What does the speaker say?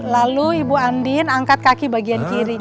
lalu ibu andin berdiri disamping ibu andin